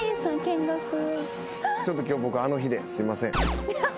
ちょっと今日僕あの日ですいません。